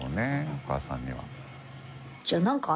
お母さんには。